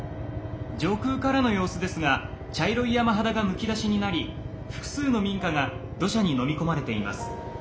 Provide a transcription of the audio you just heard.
上空からの様子ですが茶色い山肌がむき出しになり複数の民家が土砂にのみ込まれています。